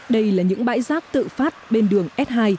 đây là những bãi rác tự phát bên đường s hai